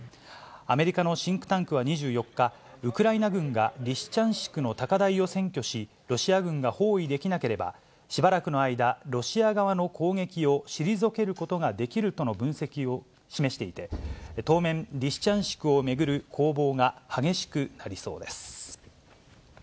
アメリカのシンクタンクは２４日、ウクライナ軍がリシチャンシクの高台を占拠し、ロシア軍が包囲できなければ、しばらくの間、ロシア側の攻撃を退けることができるとの分析を示していて、当面、リシチャンシクを巡る攻防が激しくなりそうです。